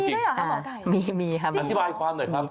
มีด้วยหรือครับมองไก่มีครับอธิบายความหน่อยครับ